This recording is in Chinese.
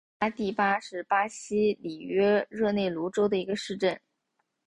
曼加拉蒂巴是巴西里约热内卢州的一个市镇。